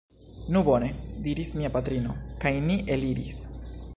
Nu bone! diris mia patrino, kaj ni eliris.